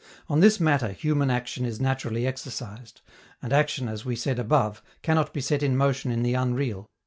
On this matter human action is naturally exercised; and action, as we said above, cannot be set in motion in the unreal.